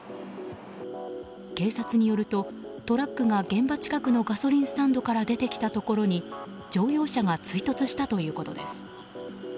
警察によると、トラックが現場近くのガソリンスタンドから出てきたところに乗用車が追突したということです。